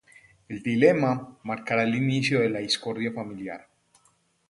El dilema marcará el inicio de la discordia familiar.